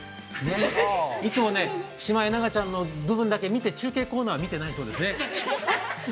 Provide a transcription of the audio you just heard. いつもシマエナガちゃんの部分だけ見て中継コーナーは見ていないそうですね。